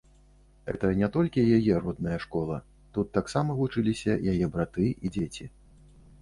Гэта не толькі яе родная школа, тут таксама вучыліся яе браты і дзеці.